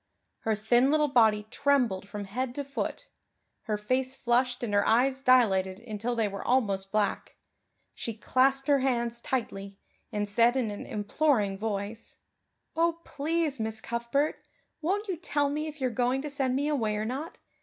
Her thin little body trembled from head to foot; her face flushed and her eyes dilated until they were almost black; she clasped her hands tightly and said in an imploring voice: "Oh, please, Miss Cuthbert, won't you tell me if you are going to send me away or not?